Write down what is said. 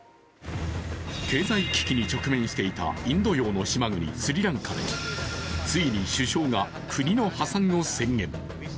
経済危機に直面していたインド洋の島国スリランカでついに首相が国の破産を宣言。